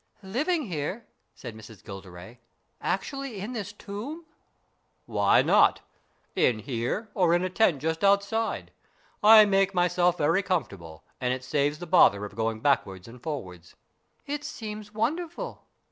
" Living here ?" said Miss Gilderay. " Actually in this tomb ?"" Why not ? In here or in a tent just outside. I make myself very comfortable, and it saves the bother of going backwards and forwards." "It seems wonderful.